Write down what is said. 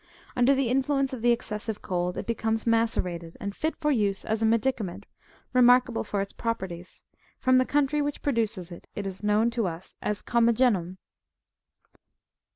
Under the influence of the excessive cold, it becomes macerated, and fit for use as a medicament, remarkable for its properties : from the country which produces it, it is known to us as " Commagenum."